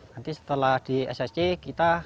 nanti setelah di ssc kita